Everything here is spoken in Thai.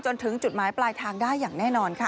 จนถึงจุดหมายปลายทางได้อย่างแน่นอนค่ะ